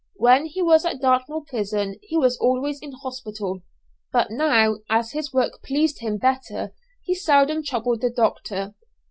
When he was at Dartmoor prison he was always in hospital; but now, as his work pleased him better he seldom troubled the doctor.